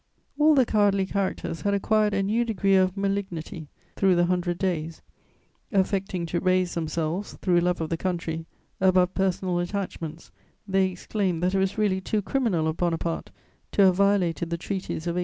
All the cowardly characters had acquired a new degree of malignity through the Hundred Days; affecting to raise themselves, through love of the country, above personal attachments, they exclaimed that it was really too criminal of Bonaparte to have violated the treaties of 1814.